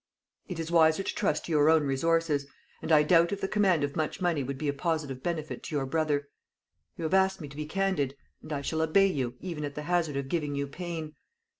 "It is wiser to trust to your own resources. And I doubt if the command of much money would be a positive benefit to your brother. You have asked me to be candid; and I shall obey you, even at the hazard of giving you pain.